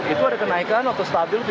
itu ada kenaikan atau stabil